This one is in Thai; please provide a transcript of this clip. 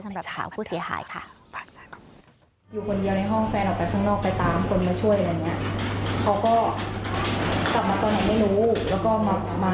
สำหรับสาวผู้เสียหายค่ะ